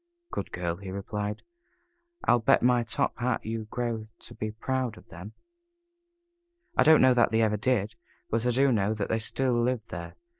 "Good girl," he replied. "I'll bet my top hat you grow to be proud of them." I don't know that they ever did, but I do know that they still live there.